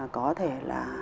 có thể là